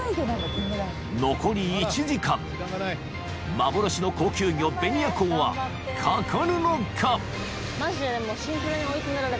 ［幻の高級魚ベニアコウは掛かるのか？］